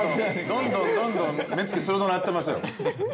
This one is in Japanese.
◆どんどん、どんどん目つき鋭なってますよ。